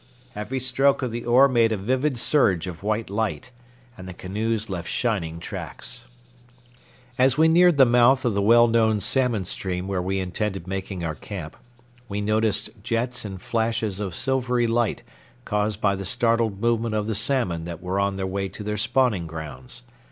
Every stroke of the oar made a vivid surge of white light, and the canoes left shining tracks. As we neared the mouth of the well known salmon stream where we intended making our camp, we noticed jets and flashes of silvery light caused by the startled movement of the salmon that were on their way to their spawning grounds.